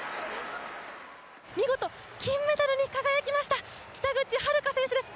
見事金メダルに輝きました北口榛花選手です。